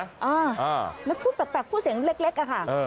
อ่าแล้วพูดแปลกพูดเสียงเล็กอะค่ะ